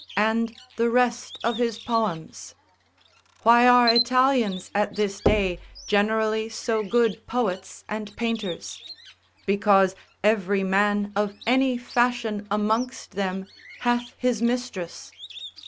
and the rest of his poems; why are Italians at this day generally so good poets and painters? Because every man of any fashion amongst them hath his mistress.